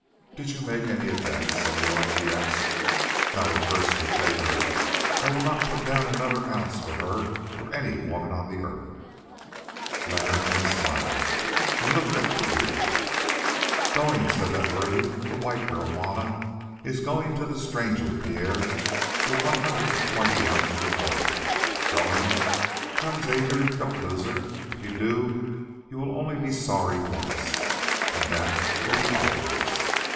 "Did you make any advance, senor?" he asked. "No, curse you! Take her. I will not put down another ounce for her or any woman on the earth." Leonard only smiled and looked at Pereira. "Going!" said that worthy; "the white girl, Juanna, is going to the stranger Pierre for one hundred and twenty ounces of gold. Going! Come, Xavier, don't lose her. If you do you will only be sorry once, and that will be always.